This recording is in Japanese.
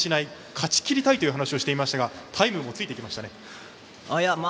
勝ちきりたいという話をしていましたがタイムもついてきましたね。